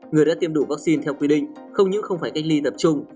người đã tiêm đủ vắc xin theo quy định không những không phải cách ly tập trung